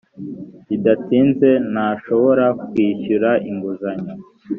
bidatinze ntashobora kwishyura inguzanyo